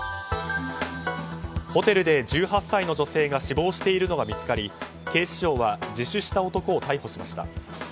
ホテルで１８歳の女性が死亡しているのが見つかり警視庁は自首した男を逮捕しました。